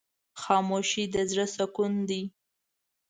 خاموشي، د زړه سکون دی.